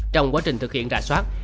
trong quá trình thực hiện ra soát